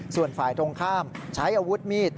ส่วนฝ่ายตรงข้ามใช้อาวุธมีด